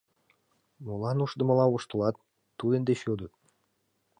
Молан ушдымыла воштылат? — тудын деч йодыт.